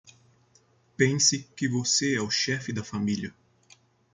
Pense que você é o chefe da família